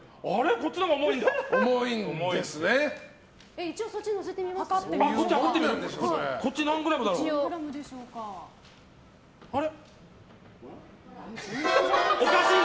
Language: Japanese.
こっちが重いんだ。